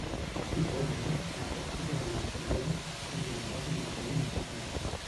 Igualment la pràctica de l'instrument ha experimentat un increment notable.